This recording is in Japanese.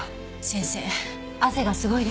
先生汗がすごいですよ。